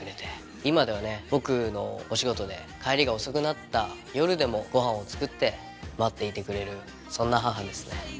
今では僕のお仕事で帰りが遅くなった夜でもごはんを作って待っていてくれるそんな母です。